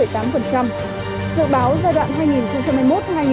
dự báo giai đoạn hai nghìn hai mươi một hai nghìn hai mươi năm